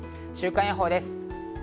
週間予報です。